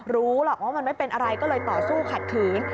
รู้หรอกว่ามันไม่เป็นอะไรก็เลยต่อสู้ขัดขืน